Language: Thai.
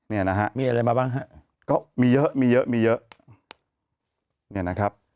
เนี่ยนะฮะมีอะไรมาบ้างฮะก็มีเยอะมีเยอะมีเยอะเนี่ยนะครับ